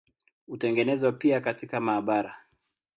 Hutengenezwa pia katika maabara.